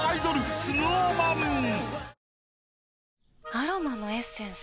アロマのエッセンス？